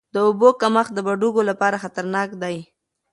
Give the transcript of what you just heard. د اوبو کمښت د بډوګو لپاره خطرناک دی.